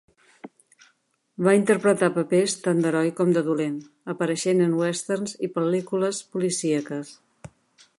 Va interpretar papers tant d'heroi com de dolent, apareixent en westerns i pel·lícules policíaques.